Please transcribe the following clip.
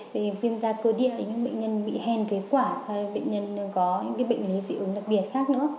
vì khiêm gia cơ địa thì những bệnh nhân bị hen phế khoản hay bệnh nhân có những bệnh lý dị ứng đặc biệt khác nữa